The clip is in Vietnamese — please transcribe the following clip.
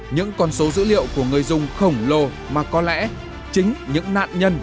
những con số dữ liệu của người dùng khổng lồ mà có lẽ chính những nạn nhân